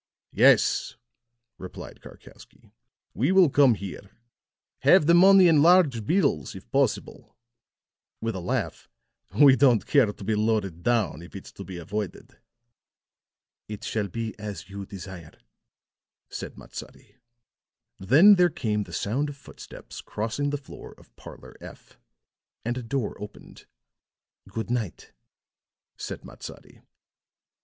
"Yes," replied Karkowsky. "We will come here. Have the money in large bills, if possible," with a laugh; "we don't care to be loaded down, if it's to be avoided." "It shall be as you desire," said Matsadi. Then there came the sound of footsteps crossing the floor of Parlor F, and a door opened. "Good night," said Matsadi.